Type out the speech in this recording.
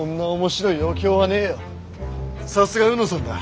さすが卯之さんだ。